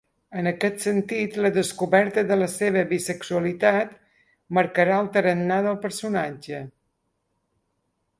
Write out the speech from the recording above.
En aquest sentit, la descoberta de la seva bisexualitat marcarà el tarannà del personatge.